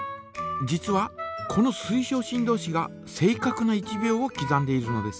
実はこの水晶振動子が正かくな１秒をきざんでいるのです。